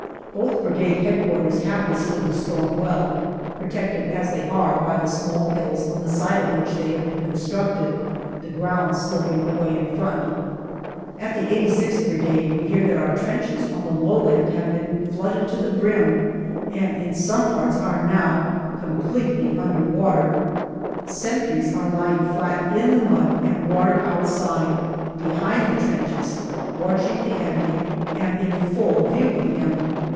Both Brigade H.Q. have withstood the storm well, protected as they are by the small hills on the side of which they have been constructed, the ground sloping away in front. At the 86th Brigade we hear that our trenches on the low land have been flooded to the brim, and in some parts are now completely under water. Sentries are lying flat in the mud and water outside, behind the trenches, watching the enemy and in full view of him.